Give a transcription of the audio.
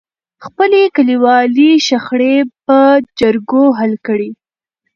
خپلې کليوالې شخړې په جرګو حل کړئ.